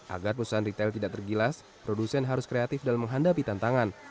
agar perusahaan retail tidak tergilas produsen harus kreatif dalam menghadapi tantangan